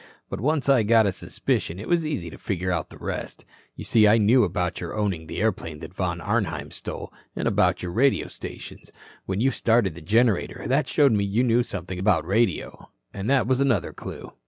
But once I got a suspicion, it was easy to figure out the rest. You see, I knew about your owning the airplane that Von Arnheim stole, an' about your radio stations. When you started the generator that showed me you knew something about radio, an' that was another clue.